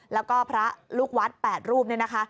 แล้วก็พระลูกวัด๘รูปเนี่ยนะคะ